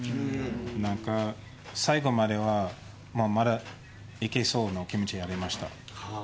何か、最後まではまだいけそうな気持ちはありました。